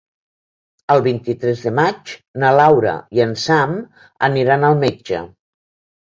El vint-i-tres de maig na Laura i en Sam aniran al metge.